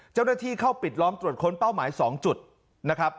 เจ้าหน้าที่เข้าปิดล้อมตรวจค้นเป้าหมาย๒จุดนะครับ